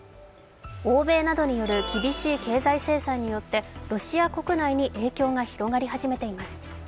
欧米などによる厳しい経済制裁によって、ロシア国内に影響が広がり始めています。